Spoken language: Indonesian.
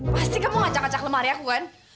pasti kamu ngacak ngacak lemari aku kan